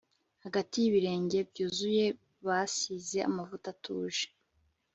hagati yibirenge byuzuye basize amavuta atuje